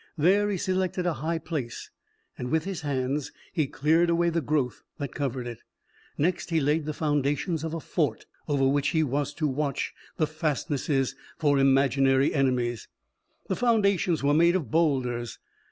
There he selected a high place, and with his hands he cleared away the growth that covered it. Next he laid the foundations of a fort, over which he was to watch the fastnesses for imaginary enemies. The foundations were made of boulders.